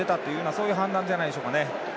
そういう判断じゃないでしょうか。